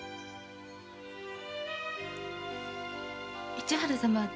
市原様